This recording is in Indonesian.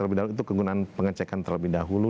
itu kegunaan pengecekan terlebih dahulu